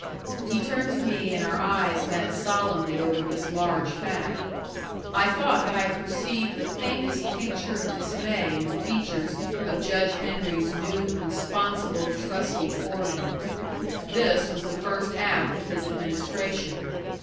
He turned to me, and our eyes met solemnly over this large fact. I thought that I perceived the faintest tincture of dismay in the features of Judge Henry's new, responsible, trusty foreman. This was the first act of his administration.